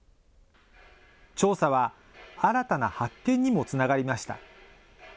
調査は新たな発見にもつながりました。